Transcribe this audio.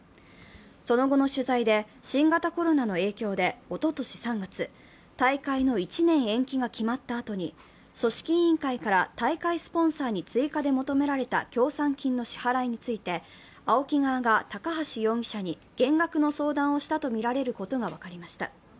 その後の取材で新型コロナの影響でおととし３月、大会の１年延期が決まったあとに組織委員会から大会スポンサーに追加で求められた協賛金の支払いについてＡＯＫＩ側が高橋容疑者に減額の相談をしたとみられることが分かりました。